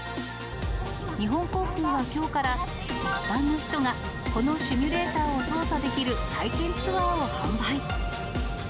日本航空はきょうから、一般の人がこのシミュレーターを操作できる体験ツアーを販売。